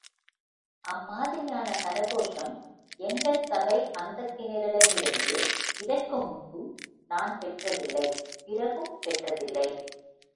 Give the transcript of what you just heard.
அம்மாதிரியான கரகோஷம் எங்கள் சபை அங்கத்தினரிடமிருந்து இதற்கு முன்பும் நான் பெற்றதில்லை பிறகும் பெற்றதில்லை.